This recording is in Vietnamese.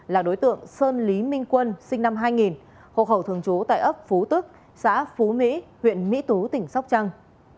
là đối tượng sơn lý minh quân sinh năm hai nghìn hộ khẩu thường trú tại ấp phú tức xã phú mỹ huyện mỹ tú tỉnh sóc trăng